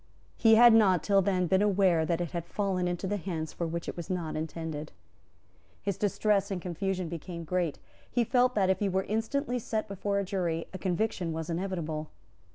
He had not till then been aware that it had fallen into hands for which it was not intended. His distress and confusion became great. He felt that, if he were instantly sent before a jury, a conviction was inevitable.